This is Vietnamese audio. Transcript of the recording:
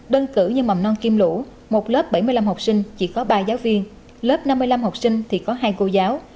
đơn cử như mầm non kim lũ một lớp bảy mươi năm học sinh chỉ có ba giáo viên lớp năm mươi năm học sinh thì có hai cô giáo